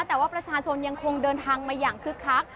แต่ว่าประชาชนยังคงเดินทางมาอย่างคึกคัก